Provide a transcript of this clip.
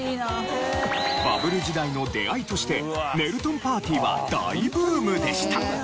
バブル時代の出会いとしてねるとんパーティーは大ブームでした。